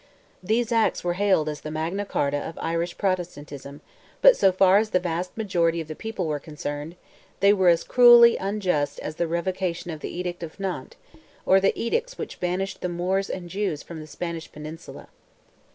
These acts were hailed as "the Magna Charta of Irish Protestantism," but so far as the vast majority of the people were concerned, they were as cruelly unjust as the revocation of the Edict of Nantes, or the edicts which banished the Moors and Jews from the Spanish peninsula.